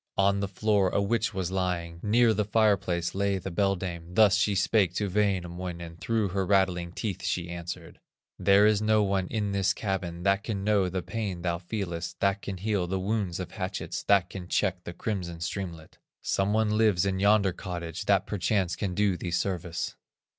On the floor a witch was lying, Near the fire place lay the beldame, Thus she spake to Wainamoinen, Through her rattling teeth she answered: "There is no one in this cabin That can know the pain thou feelest, That can heal the wounds of hatchets, That can check the crimson streamlet; Some one lives in yonder cottage, That perchance can do thee service."